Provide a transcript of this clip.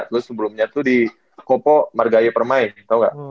terus sebelumnya tuh di kopo margai permai tau ga